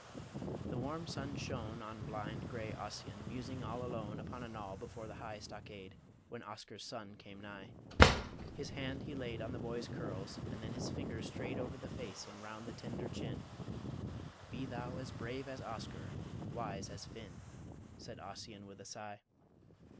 The warm sun shone On blind, grey Ossian musing all alone Upon a knoll before the high stockade, When Oscar's son came nigh. His hand he laid On the boy's curls, and then his fingers strayed Over the face and round the tender chin "Be thou as brave as Oscar, wise as Finn," Said Ossian, with a sigh.